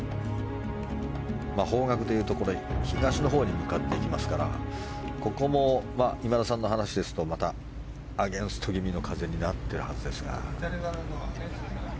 方角でいうと東のほうに向かっていきますからここも今田さんの話ですとまたアゲンスト気味の風になっているはずですが。